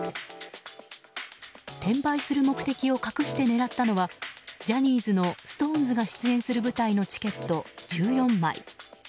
転売する目的を隠して狙ったのはジャニーズのＳｉｘＴＯＮＥＳが出演する舞台のチケット、１４枚。